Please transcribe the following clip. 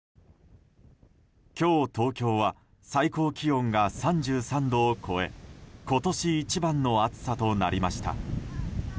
今日、東京は最高気温が３３度を超え今年一番の暑さとなりました。